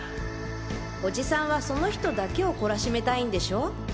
おじさんはその人だけを懲らしめたいんでしょ？